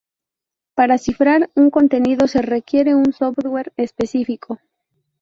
Para cifrar un contenido se requiere un software específico.